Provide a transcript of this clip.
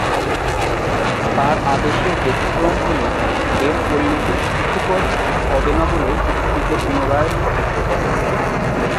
তার আদেশের ব্যতিক্রম হলে এর পরিণতি সুখকর হবেনা বলে স্ত্রীকে পুনরায় সতর্ক করেন।